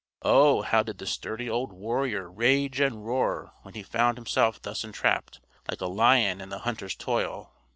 Oh! how did the sturdy old warrior rage and roar when he found himself thus entrapped, like a lion in the hunter's toil!